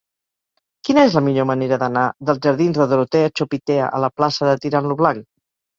Quina és la millor manera d'anar dels jardins de Dorotea Chopitea a la plaça de Tirant lo Blanc?